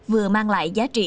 vừa mang lại giá trị kinh tế cao